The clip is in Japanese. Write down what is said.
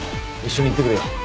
一緒に行ってくるよ。